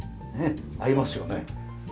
合いますよね。